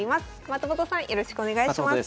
松本さんよろしくお願いします。